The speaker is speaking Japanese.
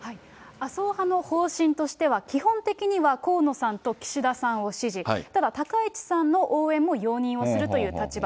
麻生派の方針としては、基本的には河野さんと岸田さんを支持、ただ、高市さんの応援も容認をするという立場。